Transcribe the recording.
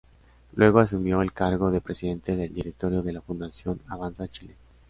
Luego asumió el cargo de presidente del directorio de la Fundación Avanza Chile.